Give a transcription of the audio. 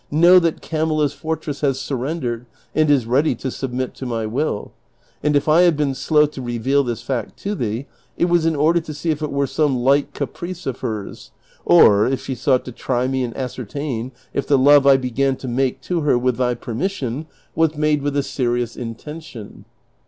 Know that Camilla's fortress has surrendered and is ready to submit to my will ; and if I have been slow to reveal this fact to thee, it was in order to see if it were some light caprice of hers, or if she sought to ti\y me and ascertain if the love 1 began to make to her with thy permission was made with a CHAPTER XXXIV. 293 serious intention.